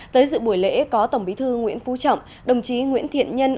tới dự buổi lễ có tổng bí thư nguyễn phú trọng đồng chí nguyễn thiện nhân